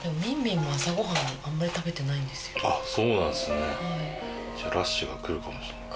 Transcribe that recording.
そうなんですね。